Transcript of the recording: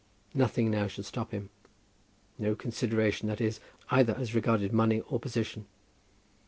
Nothing now should stop him; no consideration, that is, either as regarded money or position.